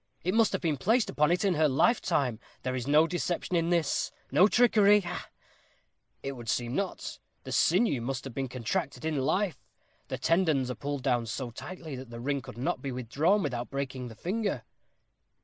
It must have been placed upon it in her lifetime. There is no deception in this no trickery ha!" "It would seem not; the sinew must have been contracted in life. The tendons are pulled down so tightly, that the ring could not be withdrawn without breaking the finger."